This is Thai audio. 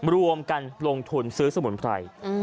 รวมกันลงทุนซื้อสมุนไพร